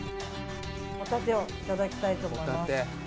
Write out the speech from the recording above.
ホタテをいただきたいと思います。